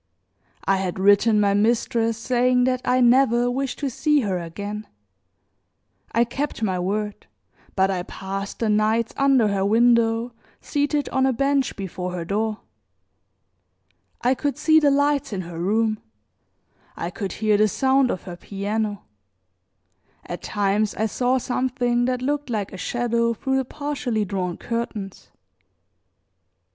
I had written my mistress saying that I never wished to see her again; I kept my word, but I passed the nights under her window, seated on a bench before her door. I could see the lights in her room, I could hear the sound of her piano, at times I saw something that looked like a shadow through the partially drawn curtains.